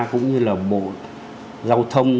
cũng như là bộ giao thông